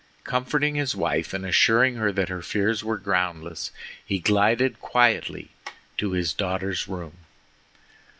Comforting his wife and assuring her that her fears were groundless, he glided quietly to his daughter's room.